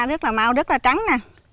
rất là mau rất là trắng nè